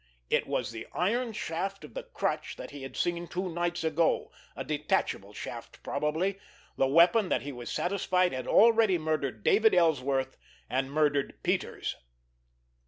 It was the iron shaft of the crutch that he had seen two nights ago—a detachable shaft probably—the weapon that he was satisfied had already murdered David Ellsworth, and murdered Peters.